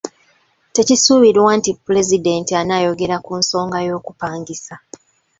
Tekisuubirwa nti pulezidenti anaayogera ku nsonga y'okupangisa.